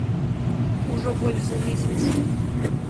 Ужо больш за месяц.